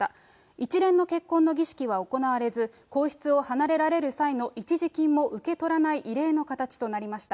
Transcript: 一連の結婚の儀式は行われず、皇室を離れられる際の一時金も受け取らない異例の形となりました。